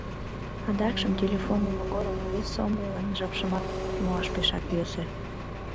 Адакшым телефон улмо годым вес сомыллан жапшымат муаш пешак йӧсӧ.